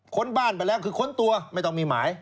ค้นบ้านไปแล้วคือค้นตัวไม่ต้องมีหมาย